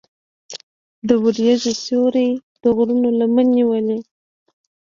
د وریځو سیوری د غرونو لمن نیولې.